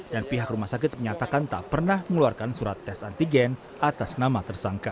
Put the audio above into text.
dan pihak rumah sakit menyatakan tak pernah mengeluarkan surat tes antigen atas nama tersangka